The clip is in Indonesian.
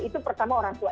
itu pertama orang tua